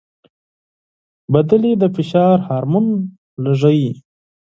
سندرې د فشار هورمون کموي.